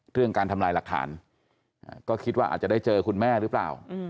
การทำลายหลักฐานก็คิดว่าอาจจะได้เจอคุณแม่หรือเปล่า